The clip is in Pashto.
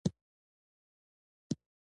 داسې ویجاړې وې چې د یوه افت خیال پرې کېده.